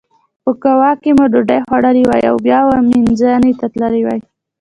په کووا کې مو ډوډۍ خوړلې وای او بیا ویامنزوني ته تللي وای.